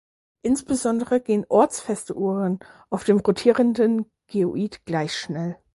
Insbesondere gehen ortsfeste Uhren auf dem rotierenden Geoid gleich schnell.